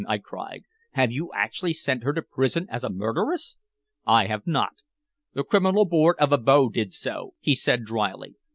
I cried. "Have you actually sent her to prison as a murderess?" "I have not. The Criminal Court of Abo did so," he said dryly.